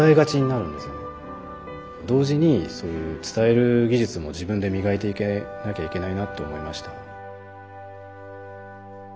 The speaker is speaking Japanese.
同時にそういう伝える技術も自分で磨いていかなきゃいけないなと思いました。